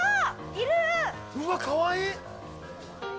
うわ、かわいい。